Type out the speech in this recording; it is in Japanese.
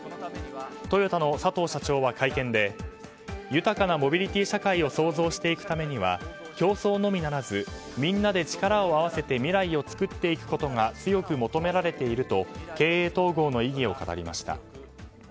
トヨタの佐藤社長は会見で豊かなモビリティー社会を創造していくためには競争のみならずみんなで力を合わせて未来を作っていくことが強く求められていると経営統合の意義を語りました。